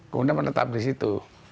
kemudian menetap di situ